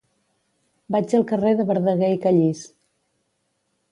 Vaig al carrer de Verdaguer i Callís.